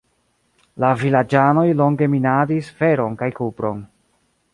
La vilaĝanoj longe minadis feron kaj kupron.